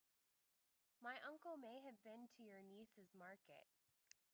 My uncle may have been to your niece's market.